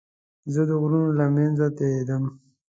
زه د غرونو له منځه تېرېدم.